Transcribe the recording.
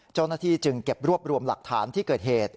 เจ้าหน้าที่จึงเก็บรวบรวมหลักฐานที่เกิดเหตุ